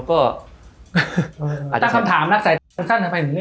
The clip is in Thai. ตั้งสถามนักสายตาสั้น